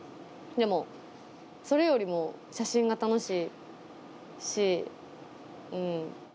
でもそれよりも写真が楽しいし。